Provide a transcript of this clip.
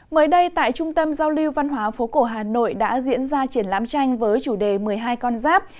mới đây tại trung tâm giao lưu văn hóa phố cổ hà nội đã diễn ra triển lãm tranh với chủ đề một mươi hai con giáp